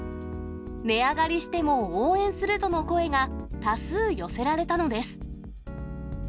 値上がりしても応援するとの声が多数寄せられたのです。